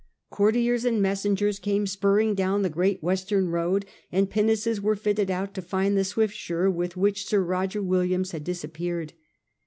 Courtiers and messengers came spurring down the great western road, and pinnaces were fitted out to find the Swiftsure with which Sir Roger Williams had disappeared.